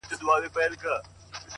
پرمختګ د دوامداره هڅې محصول دی،